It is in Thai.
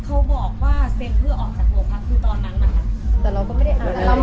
เขาบอกว่าเซ็นเพื่อออกจากโลกภาคคือตอนนั้นนะคะ